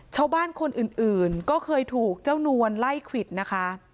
ชาวบ้านคนอื่นก็เคยถูกเจ้านวลไล่ควิดนะคะ